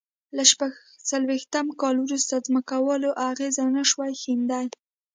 له شپږ څلوېښت کال وروسته ځمکوالو اغېز نه شوای ښندي.